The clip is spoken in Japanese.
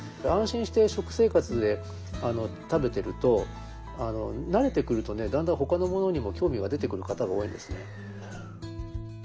安心して食生活で食べてると慣れてくるとだんだんほかのものにも興味が出てくる方が多いんですね。